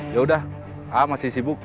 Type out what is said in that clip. yaudah masih sibuk